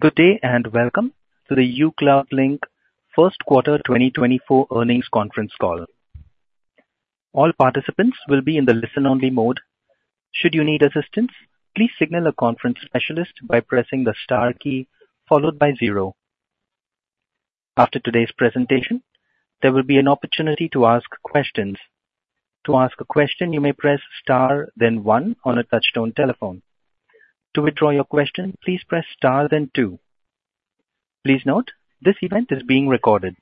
Good day and welcome to the uCloudlink First Quarter 2024 Earnings Conference call. All participants will be in the listen-only mode. Should you need assistance, please signal a conference specialist by pressing the star key followed by 0. After today's presentation, there will be an opportunity to ask questions. To ask a question, you may press star then 1 on a touch-tone telephone. To withdraw your question, please press star then 2. Please note, this event is being recorded.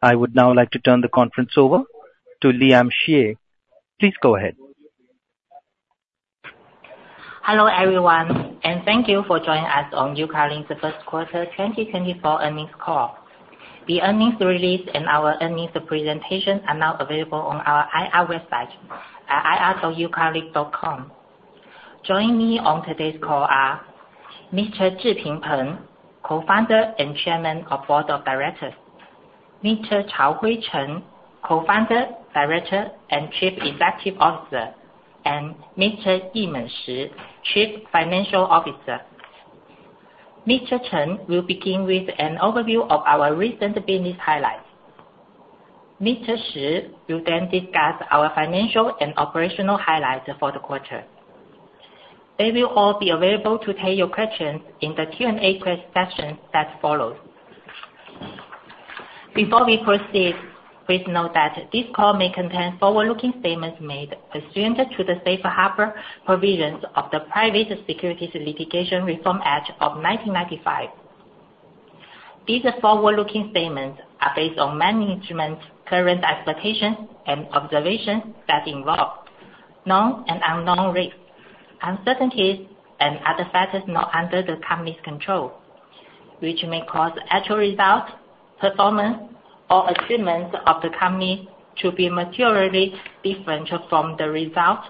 I would now like to turn the conference over to Liam Xie. Please go ahead. Hello everyone, and thank you for joining us on uCloudlink's First Quarter 2024 Earnings call. The earnings release and our earnings presentation are now available on our IR website, ir.ucloudlink.com. Joining me on today's call are: Mr. Zhiping Peng, Co-founder and Chairman of Board of Directors; Mr. Chaohui Chen, Co-founder, Director, and Chief Executive Officer; and Mr. Yimeng Shi, Chief Financial Officer. Mr. Chen will begin with an overview of our recent business highlights. Mr. Shi will then discuss our financial and operational highlights for the quarter. They will all be available to take your questions in the Q&A session that follows. Before we proceed, please note that this call may contain forward-looking statements made pursuant to the Safe Harbor provisions of the Private Securities Litigation Reform Act of 1995. These forward-looking statements are based on management's current expectations and observations that involve known and unknown risks, uncertainties, and other factors not under the company's control, which may cause actual results, performance, or achievements of the company to be materially different from the results,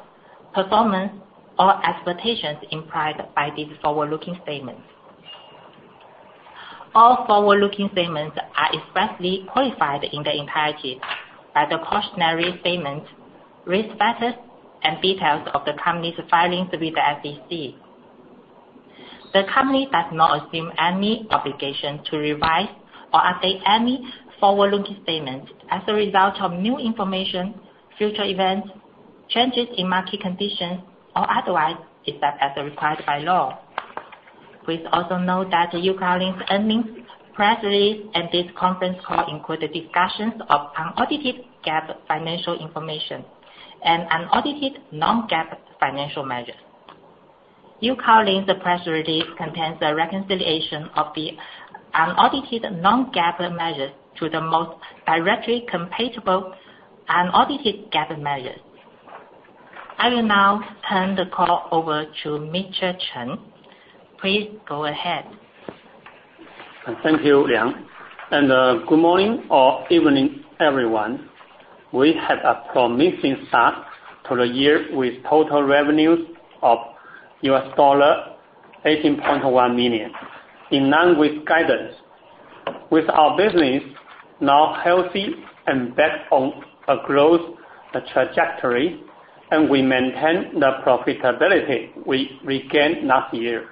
performance, or expectations implied by these forward-looking statements. All forward-looking statements are expressly qualified in their entirety by the cautionary statements, risk factors, and details of the company's filings with the SEC. The company does not assume any obligation to revise or update any forward-looking statements as a result of new information, future events, changes in market conditions, or otherwise except as required by law. Please also note that uCloudlink's earnings press release and this conference call include discussions of unaudited GAAP financial information and unaudited non-GAAP financial measures. uCloudlink's press release contains a reconciliation of the unaudited non-GAAP measures to the most directly comparable unaudited GAAP measures. I will now turn the call over to Mr. Chen. Please go ahead. Thank you, Liam. Good morning or evening, everyone. We had a promising start to the year with total revenues of $18.1 million, in line with guidance. With our business now healthy and back on a growth trajectory, and we maintain the profitability we regained last year,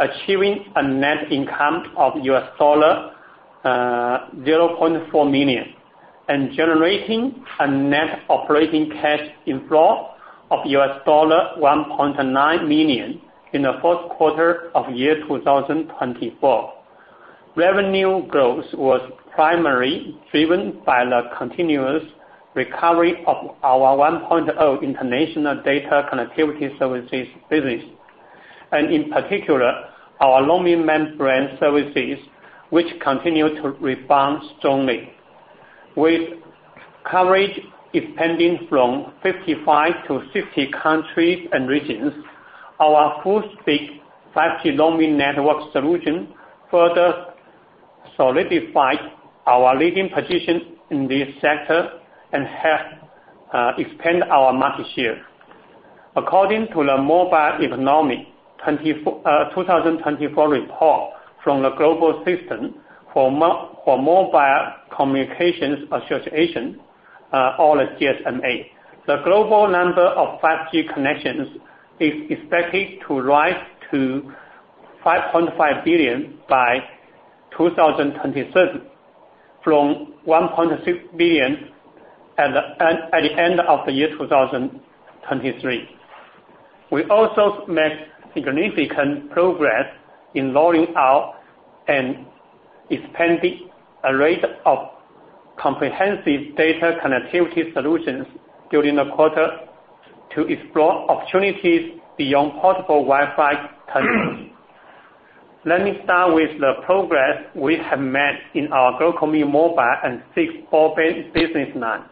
achieving a net income of $0.4 million and generating a net operating cash inflow of $1.9 million in the first quarter of year 2024. Revenue growth was primarily driven by the continuous recovery of our IoT international data connectivity services business, and in particular, our Roamingman services, which continue to respond strongly. With coverage expanding from 55 to 60 countries and regions, our full-speed 5G roaming network solution further solidified our leading position in this sector and has expanded our market share. According to the Mobile Economy 2024 report from the Global System for Mobile Communications Association or the GSMA, the global number of 5G connections is expected to rise to 5.5 billion by 2027, from 1.6 billion at the end of the year 2023. We also make significant progress in rolling out and expanding a range of comprehensive data connectivity solutions during the quarter to explore opportunities beyond portable Wi-Fi terminals. Let me start with the progress we have made in our GlocalMe Mobile and Fixed Broadband Business line.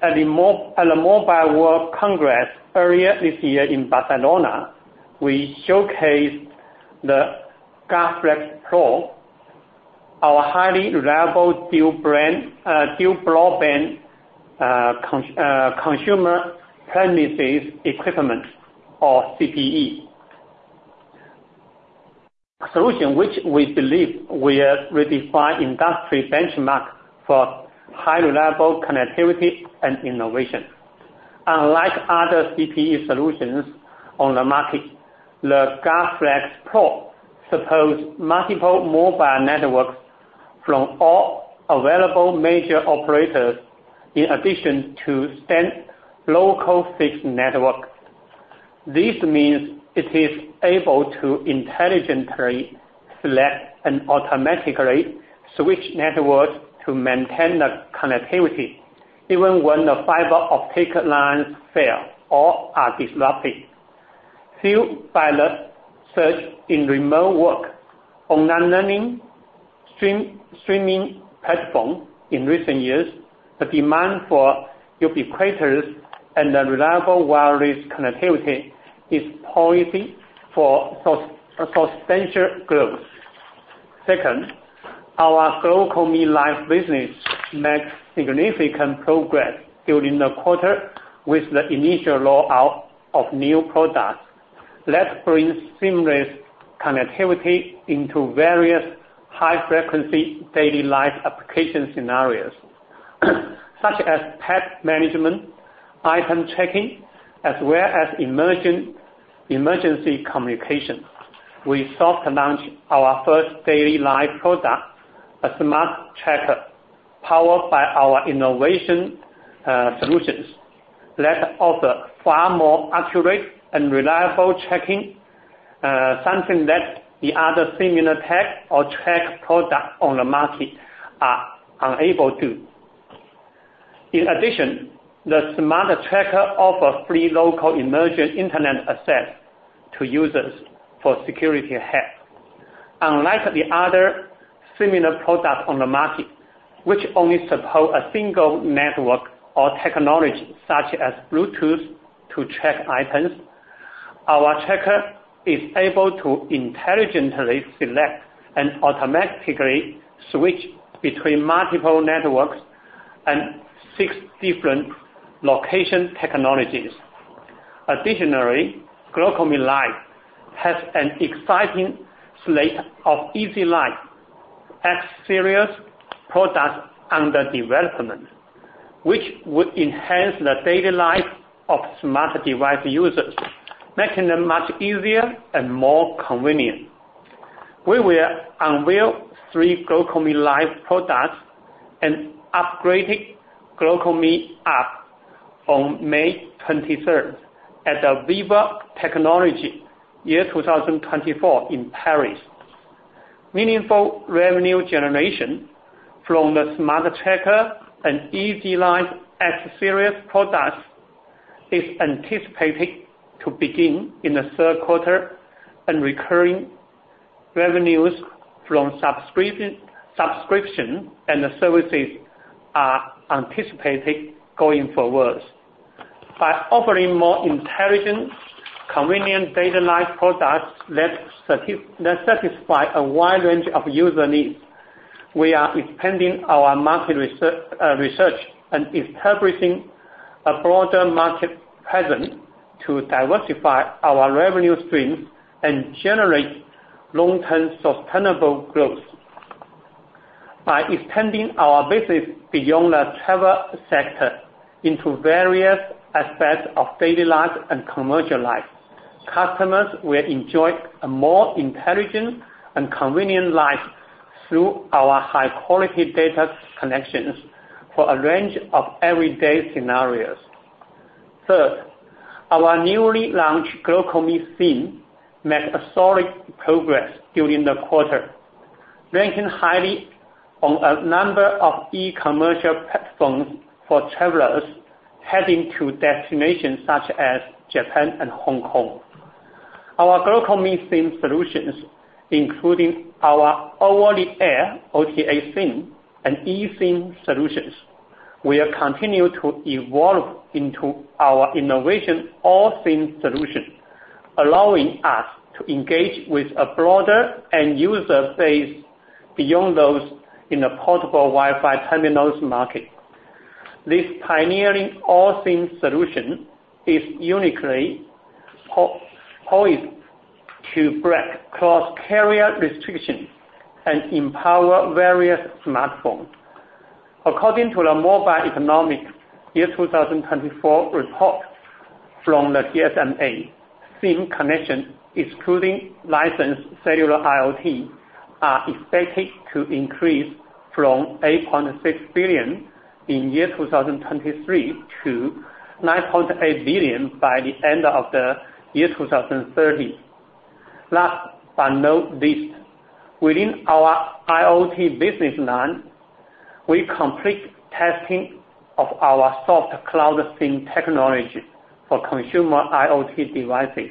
At the Mobile World Congress earlier this year in Barcelona, we showcased the GuardFlex Pro, our highly reliable dual-broadband consumer premises equipment or CPE solution, which we believe will redefine the industry benchmark for high-reliable connectivity and innovation. Unlike other CPE solutions on the market, the GuardFlex Pro supports multiple mobile networks from all available major operators in addition to standard local fixed networks. This means it is able to intelligently select and automatically switch networks to maintain the connectivity even when the fiber optic lines fail or are disrupted. Fueled by the surge in remote work on online learning streaming platforms in recent years, the demand for ubiquitous and reliable wireless connectivity is poised for substantial growth. Second, our GlocalMe Life business makes significant progress during the quarter with the initial rollout of new products that bring seamless connectivity into various high-frequency daily life application scenarios, such as package management, item checking, as well as emergency communication. We soft-launched our first GlocalMe Life product, a smart tracker powered by our innovation solutions that offer far more accurate and reliable tracking, something that the other similar tech or tracker products on the market are unable to. In addition, the smart tracker offers free local emergency internet access to users for security help. Unlike the other similar products on the market, which only support a single network or technology such as Bluetooth to track items, our tracker is able to intelligently select and automatically switch between multiple networks and six different location technologies. Additionally, GlocalMe Life has an exciting slate of Easy Life Series products under development, which would enhance the daily life of smart device users, making them much easier and more convenient. We will unveil three GlocalMe Life products and upgrade the GlocalMe App on May 23rd at the Viva Technology 2024 in Paris. Meaningful revenue generation from the smart tracker and Easy Life Series products is anticipated to begin in the third quarter, and recurring revenues from subscription and services are anticipated going forward. By offering more intelligent, convenient daily life products that satisfy a wide range of user needs, we are expanding our market research and establishing a broader market presence to diversify our revenue streams and generate long-term sustainable growth. By extending our business beyond the travel sector into various aspects of daily life and commercial life, customers will enjoy a more intelligent and convenient life through our high-quality data connections for a range of everyday scenarios. Third, our newly launched GlocalMe SIM made a solid progress during the quarter, ranking highly on a number of e-commerce platforms for travelers heading to destinations such as Japan and Hong Kong. Our GlocalMe SIM solutions, including our over-the-air OTA SIM and eSIM solutions, will continue to evolve into our innovative all-SIM solution, allowing us to engage with a broader end-user base beyond those in the portable Wi-Fi terminals market. This pioneering all-SIM solution is uniquely poised to break cross-carrier restrictions and empower various smartphones. According to the Mobile Economy 2024 report from the GSMA, SIM connections, excluding licensed cellular IoT, are expected to increase from 8.6 billion in year 2023 to 9.8 billion by the end of the year 2030. Last but not least, within our IoT business line, we complete testing of our Soft CloudSIM technology for consumer IoT devices,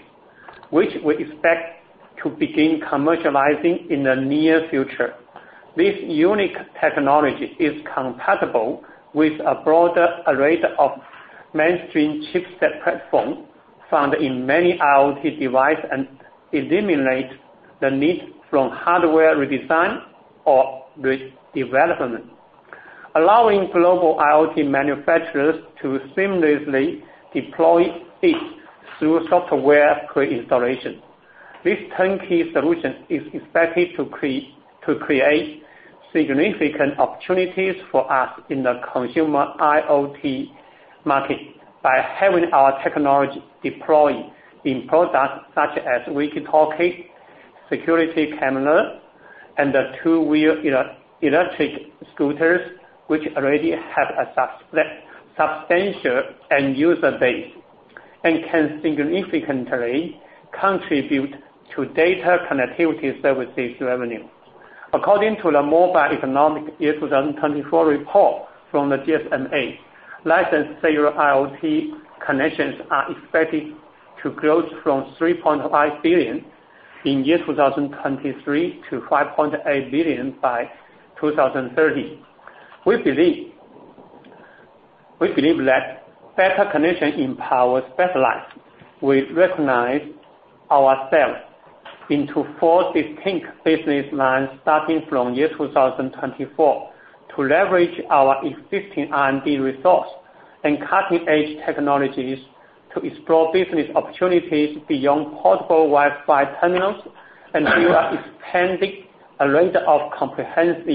which we expect to begin commercializing in the near future. This unique technology is compatible with a broader array of mainstream chipset platforms found in many IoT devices and eliminates the need for hardware redesign or redevelopment, allowing global IoT manufacturers to seamlessly deploy it through software pre-installation. This turnkey solution is expected to create significant opportunities for us in the consumer IoT market by having our technology deployed in products such as walkie-talkie, security camera, and the two-wheel electric scooters, which already have a substantial end-user base and can significantly contribute to data connectivity services revenue. According to the Mobile Economy Year 2024 report from the GSMA, licensed cellular IoT connections are expected to grow from 3.5 billion in year 2023 to 5.8 billion by 2030. We believe that better connection empowers better life. We recognize ourselves into four distinct business lines starting from year 2024 to leverage our existing R&D resources and cutting-edge technologies to explore business opportunities beyond portable Wi-Fi terminals and build an expanded array of comprehensive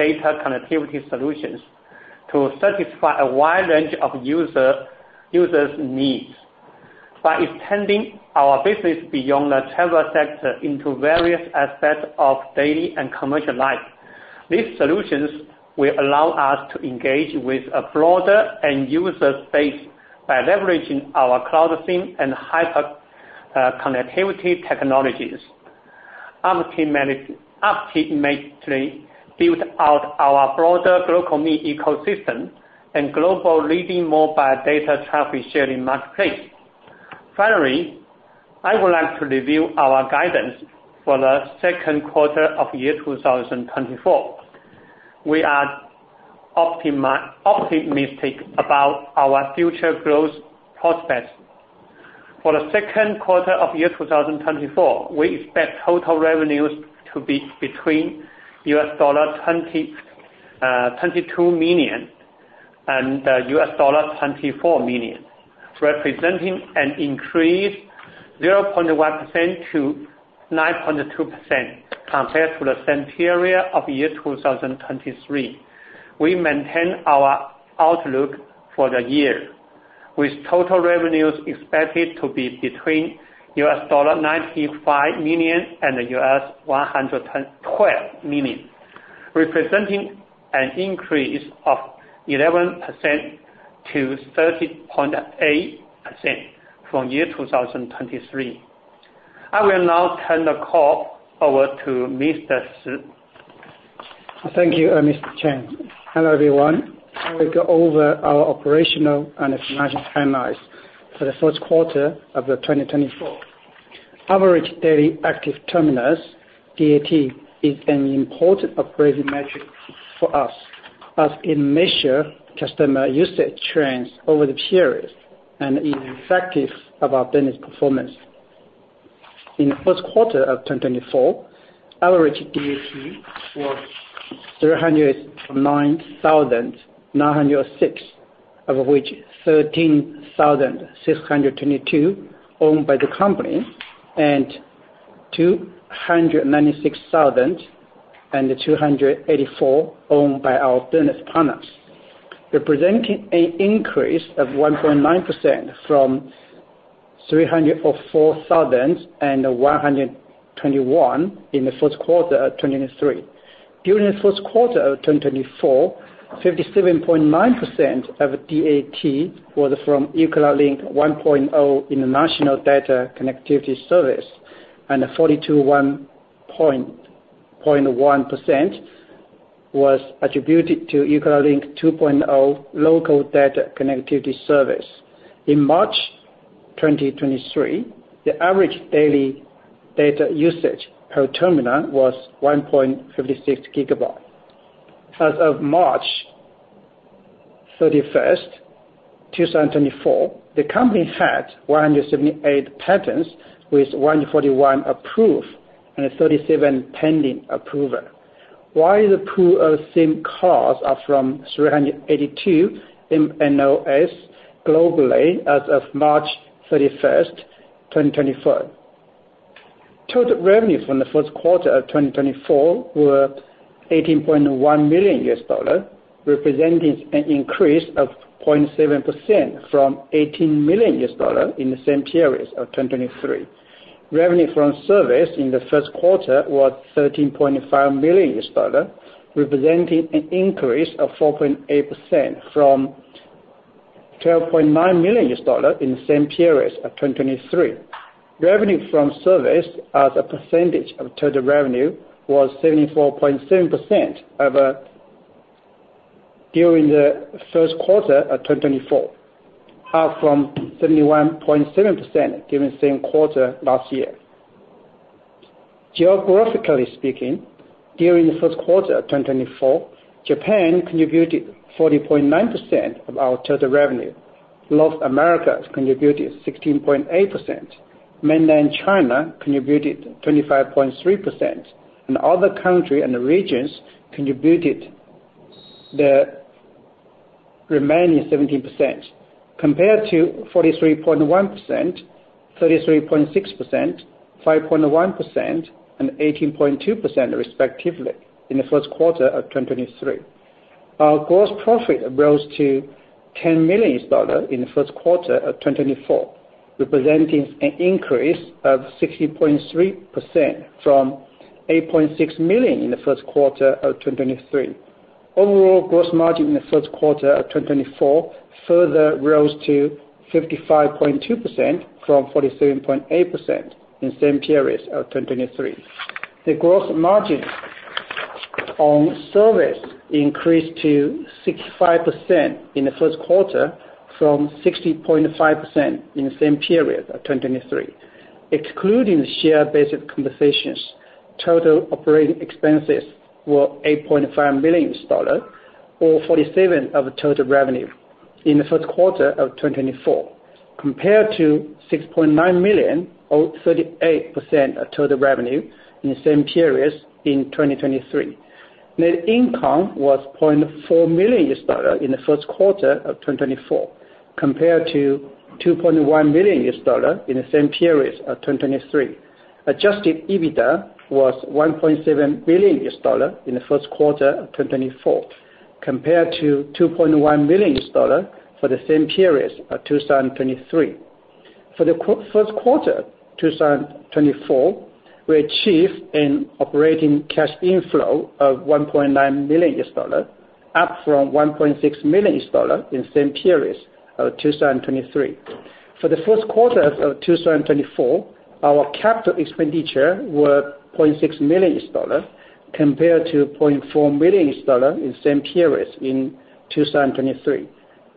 data connectivity solutions to satisfy a wide range of users' needs. By extending our business beyond the travel sector into various aspects of daily and commercial life, these solutions will allow us to engage with a broader end-user base by leveraging our CloudSIM and hyper-connectivity technologies. Our team will ultimately build out our broader GlocalMe ecosystem and global leading mobile data traffic sharing marketplace. Finally, I would like to review our guidance for the second quarter of year 2024. We are optimistic about our future growth prospects. For the second quarter of year 2024, we expect total revenues to be between $22 million and $24 million, representing an increase of 0.1%-9.2% compared to the same period of year 2023. We maintain our outlook for the year, with total revenues expected to be between $95 million and $112 million, representing an increase of 11%-30.8% from year 2023. I will now turn the call over to Mr. Shi. Thank you, Mr. Chen. Hello, everyone. I will go over our operational and financial timelines for the first quarter of 2024. Average daily active terminals, DAT, is an important operating metric for us as it measures customer usage trends over the period and is effective on our business performance. In the first quarter of 2024, average DAT was 309,906, of which 13,622 owned by the company and 296,284 owned by our business partners, representing an increase of 1.9% from 304,121 in the first quarter of 2023. During the first quarter of 2024, 57.9% of DAT was from uCloudlink 1.0 International Data Connectivity Service, and 42.1% was attributed to uCloudlink 2.0 Local Data Connectivity Service. In March 2023, the average daily data usage per terminal was 1.56 GB. As of March 31st, 2024, the company had 178 patents with 141 approved and 37 pending approval. While the pool of SIM cards is from 382 MNOs globally as of March 31st, 2024, total revenue from the first quarter of 2024 was $18.1 million, representing an increase of 0.7% from $18 million in the same period of 2023. Revenue from service in the first quarter was $13.5 million, representing an increase of 4.8% from $12.9 million in the same period of 2023. Revenue from service as a percentage of total revenue was 74.7% during the first quarter of 2024, up from 71.7% during the same quarter last year. Geographically speaking, during the first quarter of 2024, Japan contributed 40.9% of our total revenue. North America contributed 16.8%. Mainland China contributed 25.3%, and other countries and regions contributed the remaining 17% compared to 43.1%, 33.6%, 5.1%, and 18.2% respectively in the first quarter of 2023. Our gross profit rose to $10 million in the first quarter of 2024, representing an increase of 60.3% from $8.6 million in the first quarter of 2023. Overall gross margin in the first quarter of 2024 further rose to 55.2% from 47.8% in the same period of 2023. The gross margin on service increased to 65% in the first quarter from 60.5% in the same period of 2023. Excluding share-based compensations, total operating expenses were $8.5 million or 47% of total revenue in the first quarter of 2024 compared to $6.9 million or 38% of total revenue in the same period in 2023. Net income was $0.4 million in the first quarter of 2024 compared to $2.1 million in the same period of 2023. Adjusted EBITDA was $1.7 million in the first quarter of 2024 compared to $2.1 million for the same period of 2023. For the first quarter of 2024, we achieved an operating cash inflow of $1.9 million, up from $1.6 million in the same period of 2023. For the first quarter of 2024, our capital expenditure was $0.6 million compared to $0.4 million in the same period in 2023.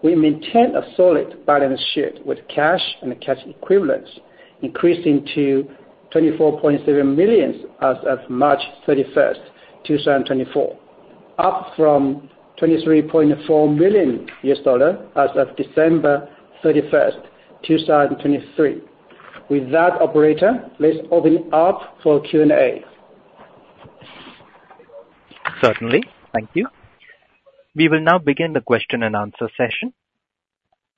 We maintained a solid balance sheet with cash and cash equivalents, increasing to $24.7 million as of March 31st, 2024, up from $23.4 million as of December 31st, 2023. With that, operator, let's open up for Q&A. Certainly. Thank you. We will now begin the question and answer session.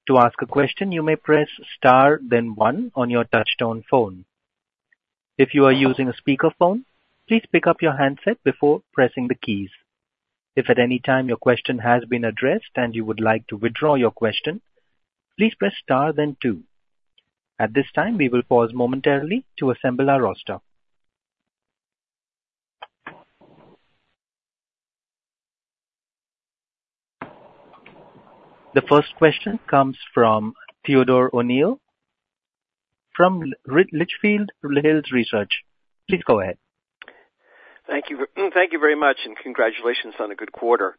To ask a question, you may press star, then one on your touchtone phone. If you are using a speakerphone, please pick up your handset before pressing the keys. If at any time your question has been addressed and you would like to withdraw your question, please press star, then two. At this time, we will pause momentarily to assemble our roster. The first question comes from Theodore O'Neill from Litchfield Hills Research. Please go ahead. Thank you very much and congratulations on a good quarter.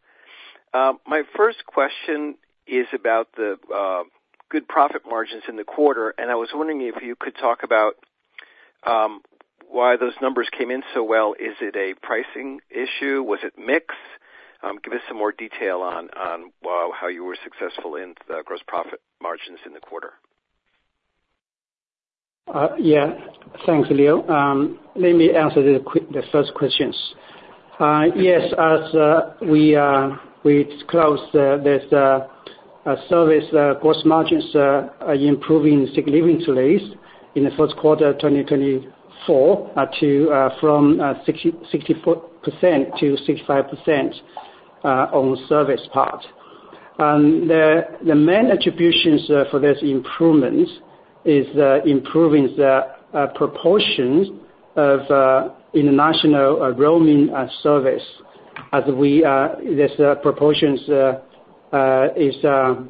My first question is about the good profit margins in the quarter, and I was wondering if you could talk about why those numbers came in so well. Is it a pricing issue? Was it mixed? Give us some more detail on how you were successful in the gross profit margins in the quarter. Yeah. Thanks, Theo. Let me answer the first questions. Yes. As we disclosed, there's a service gross margins improving significantly in the first quarter of 2024 from 64% to 65% on service part. The main attributions for this improvement is improving the proportions of international roaming service. As we there's a proportions is the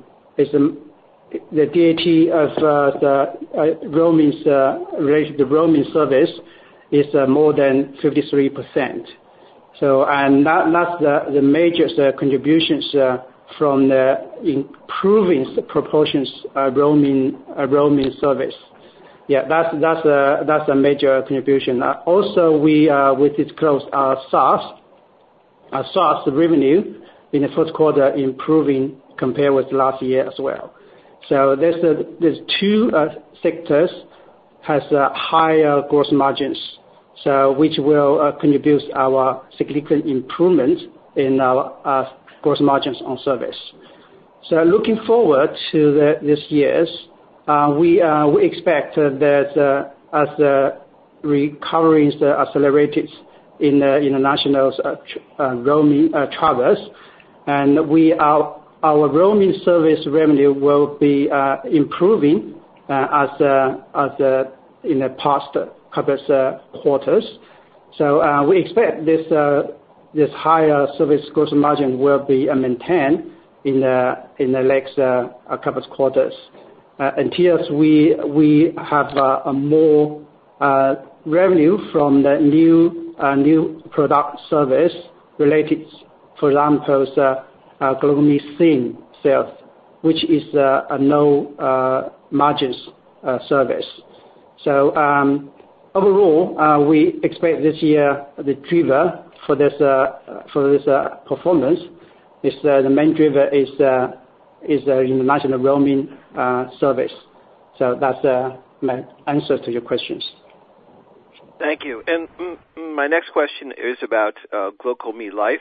DAT of the roaming service is more than 53%. And that's the major contributions from improving proportions roaming service. Yeah. That's a major contribution. Also, we disclosed our SaaS revenue in the first quarter improving compared with last year as well. So there's two sectors that have higher gross margins, which will contribute our significant improvement in our gross margins on service. So looking forward to this year, we expect that as recovery is accelerated in international roaming travels, our roaming service revenue will be improving as in the past couple of quarters. So we expect this higher service gross margin will be maintained in the next couple of quarters until we have more revenue from the new product service related, for example, to GlocalMe SIM sales, which is a no-margins service. So overall, we expect this year the driver for this performance is the main driver is international roaming service. So that's my answer to your questions. Thank you. And my next question is about GlocalMe Life.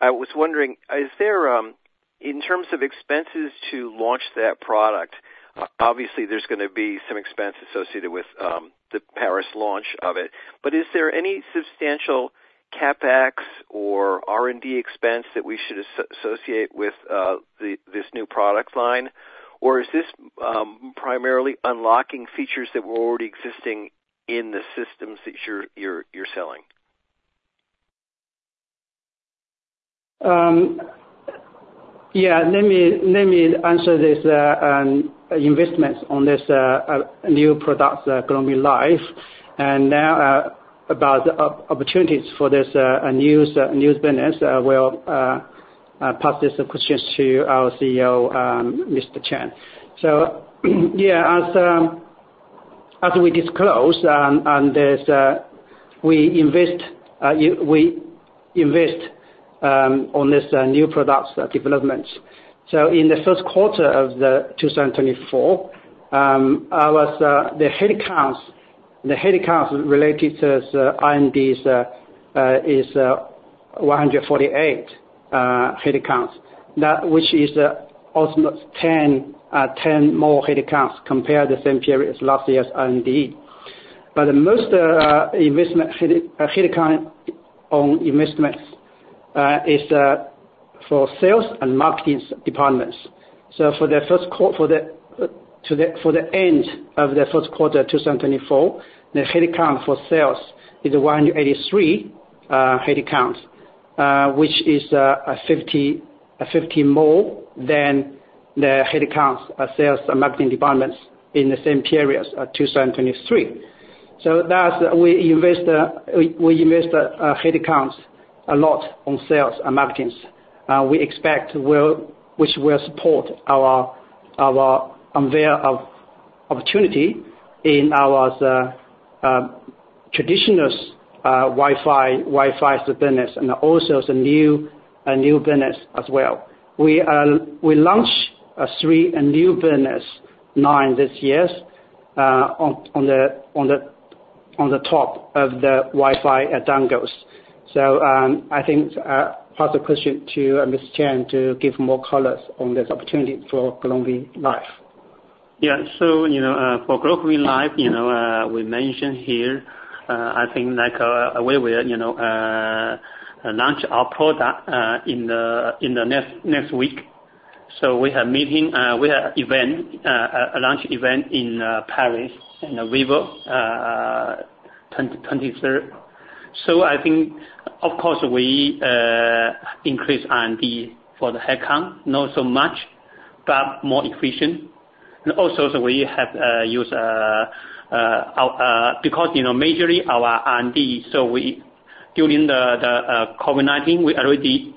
I was wondering, in terms of expenses to launch that product, obviously, there's going to be some expense associated with the Paris launch of it. But is there any substantial CapEx or R&D expense that we should associate with this new product line, or is this primarily unlocking features that were already existing in the systems that you're selling? Yeah. Let me answer this. Investments on this new product, GlocalMe Life, and now about opportunities for this new business. I will pass these questions to our CEO, Mr. Chen. So yeah. As we disclosed, we invest on this new product development. So in the first quarter of 2024, the headcount related to R&D is 148 headcounts, which is almost 10 more headcounts compared to the same period as last year's R&D. But the most headcount on investments is for sales and marketing departments. So for the end of the first quarter of 2024, the headcount for sales is 183 headcounts, which is 50 more than the headcounts of sales and marketing departments in the same period of 2023. So we invest headcounts a lot on sales and marketing, which will support our unveil of opportunity in our traditional Wi-Fi business and also the new business as well. We launch three new business lines this year on the top of the Wi-Fi dongles. So I think pass the question to Mr. Chen to give more colors on this opportunity for GlocalMe Life. Yeah. So for GlocalMe Life, we mentioned here, I think, a way we launch our product in the next week. So we have an event, a launch event in Paris in the Viva 23rd. So I think, of course, we increase R&D for the headcount, not so much, but more efficient. And also, we have used because majorly our R&D so during the COVID-19, we already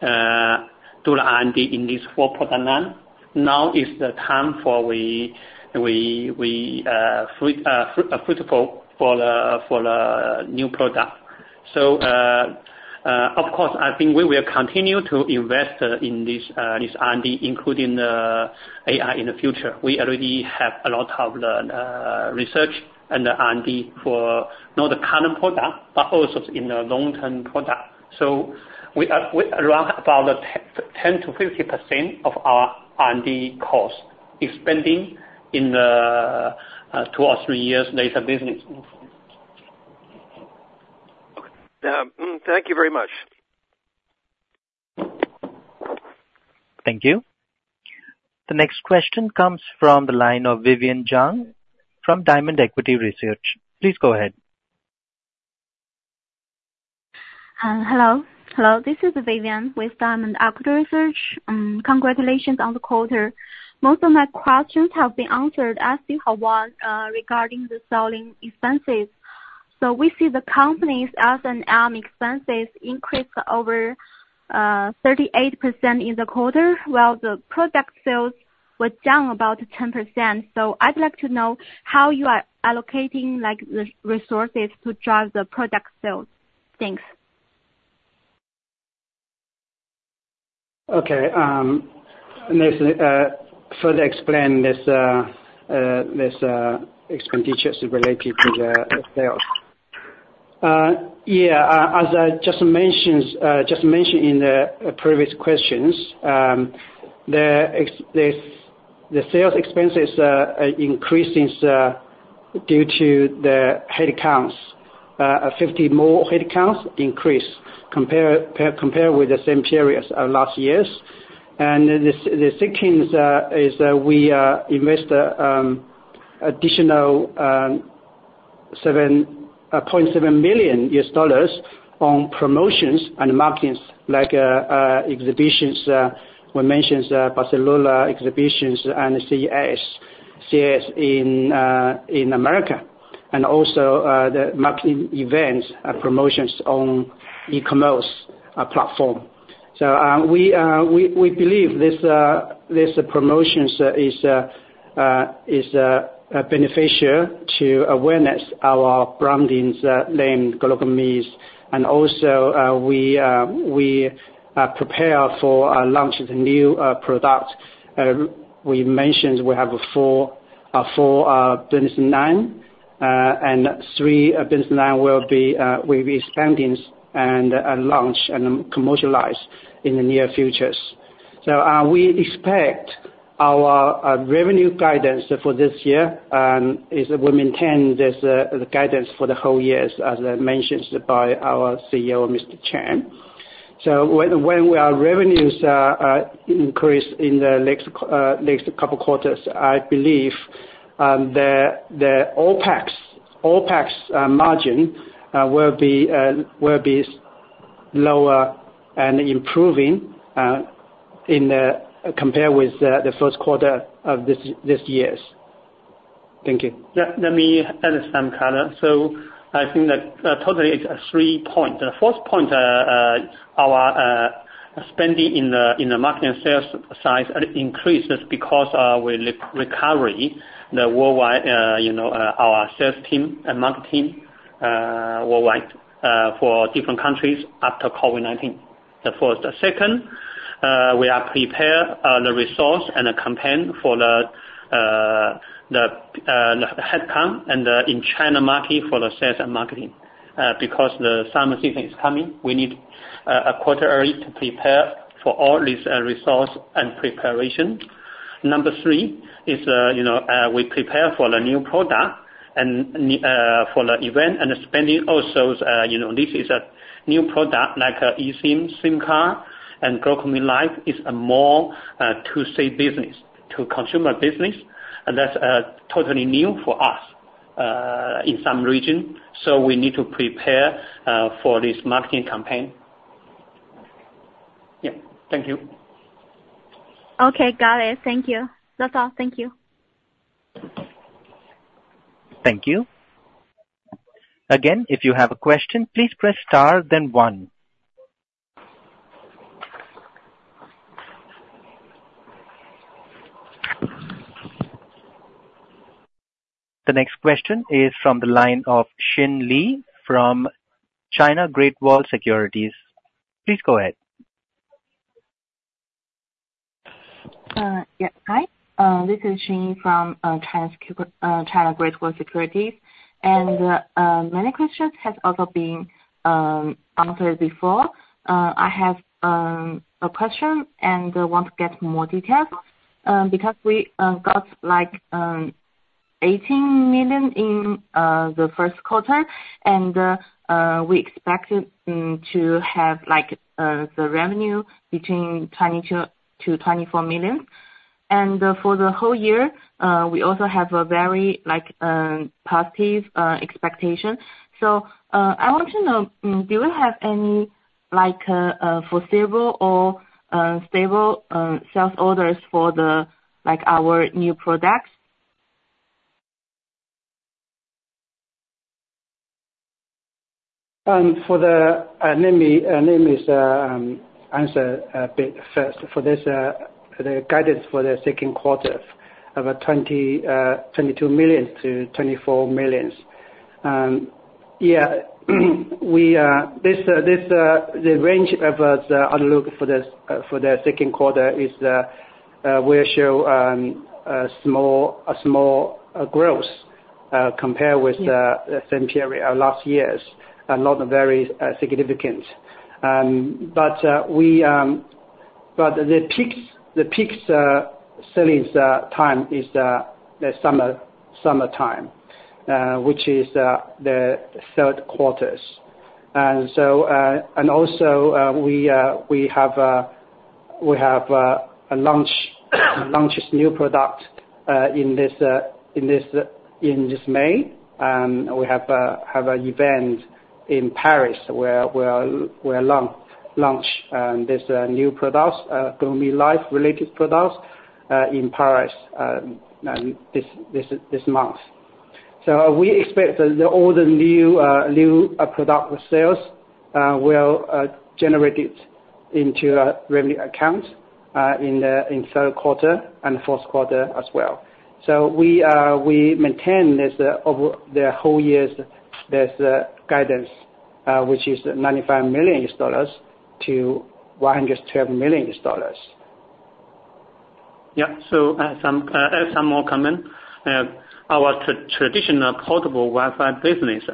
do the R&D in these four product lines. Now is the time for we fruitful for the new product. So of course, I think we will continue to invest in this R&D, including the AI in the future. We already have a lot of research and R&D for not the current product but also in the long-term product. So we are around about 10%-50% of our R&D costs expending in the two or three years later business. Okay. Thank you very much. Thank you. The next question comes from the line of Vivian Zhang from Diamond Equity Research. Please go ahead. Hello. Hello. This is Vivian with Diamond Equity Research. Congratulations on the quarter. Most of my questions have been answered. I have a question regarding the selling expenses. So we see the company's S&M expenses increased over 38% in the quarter, while the product sales were down about 10%. So I'd like to know how you are allocating the resources to drive the product sales. Thanks. Okay. Nice to further explain this expenditure related to the sales. Yeah. As I just mentioned in the previous questions, the sales expenses are increasing due to the headcounts. 50 more headcounts increased compared with the same period of last year. And the second is we invest additional $0.7 million on promotions and marketing like exhibitions. We mentioned Barcelona exhibitions and CES in America and also the marketing events, promotions on e-commerce platform. So we believe this promotion is beneficial to awareness of our brand name, GlocalMe. And also, we prepare for launching the new product. We mentioned we have four business lines, and three business lines will be expanding and launch and commercialize in the near future. So we expect our revenue guidance for this year is we maintain this guidance for the whole year as mentioned by our CEO, Mr. Chen. So when our revenues increase in the next couple of quarters, I believe the OpEx margin will be lower and improving compared with the first quarter of this year. Thank you. Let me add some color. So I think that totally, it's three points. The fourth point, our spending in the marketing sales size increases because of the recovery, our sales team and marketing worldwide for different countries after COVID-19. The first. The second, we are preparing the resource and the campaign for the headcount and in China market for the sales and marketing because the summer season is coming. We need a quarter early to prepare for all this resource and preparation. Number three is we prepare for the new product and for the event and spending also. This is a new product like eSIM, SIM card, and GlocalMe Life is more to say business, to consumer business. And that's totally new for us in some region. So we need to prepare for this marketing campaign. Yeah. Thank you. Okay. Got it. Thank you. That's all. Thank you. Thank you. Again, if you have a question, please press star, then one. The next question is from the line of Xin Lei from China Great Wall Securities. Please go ahead. Yeah. Hi. This is Xin Lei from China Great Wall Securities. Many questions have also been answered before. I have a question and want to get more details because we got $18 million in the first quarter, and we expected to have the revenue between $22 million-$24 million. For the whole year, we also have a very positive expectation. So I want to know, do we have any foreseeable or stable sales orders for our new products? Let me answer a bit first. For the guidance for the second quarter, about $22 million-$24 million. Yeah. The range of the outlook for the second quarter is we'll show small growth compared with the same period of last year, not very significant. But the peak selling time is the summertime, which is the third quarter. And also, we have a launch of new product in this May. We have an event in Paris where we'll launch this new product, GlocalMe Life-related products, in Paris this month. So we expect that all the new product sales will generate into revenue accounts in third quarter and fourth quarter as well. So we maintain the whole year's guidance, which is $95 million-$112 million. Yeah. So add some more comment. Our traditional portable Wi-Fi business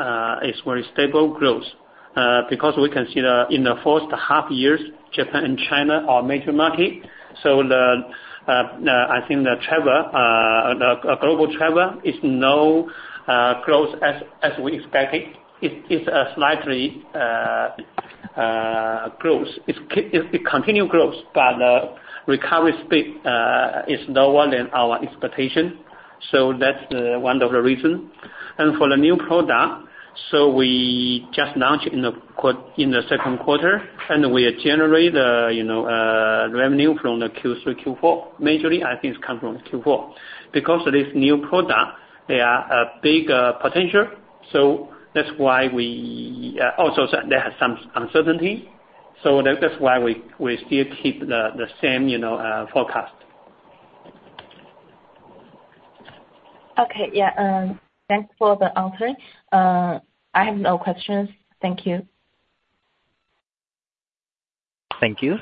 is very stable growth because we can see in the first half years, Japan and China are major markets. So I think the global travel is no growth as we expected. It's slightly growth. It continued growth, but the recovery speed is lower than our expectation. So that's one of the reasons. And for the new product, so we just launched in the second quarter, and we generate the revenue from the Q3, Q4. Majorly, I think it comes from Q4 because this new product, they are a big potential. So that's why we also there is some uncertainty. So that's why we still keep the same forecast. Okay. Yeah. Thanks for the answer. I have no questions. Thank you. Thank you.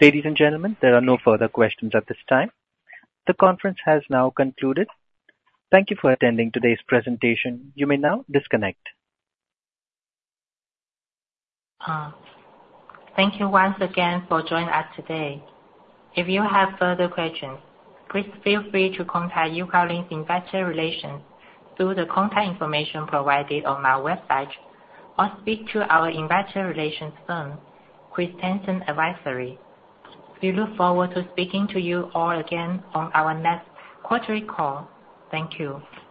Ladies and gentlemen, there are no further questions at this time. The conference has now concluded. Thank you for attending today's presentation. You may now disconnect. Thank you once again for joining us today. If you have further questions, please feel free to contact uCloudlink's Investor Relations through the contact information provided on our website or speak to our Investor Relations firm, Christensen Advisory. We look forward to speaking to you all again on our next quarterly call. Thank you. Thank you.